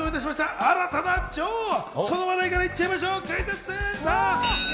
新たな女王、その話題からいっちゃいましょう、クイズッス！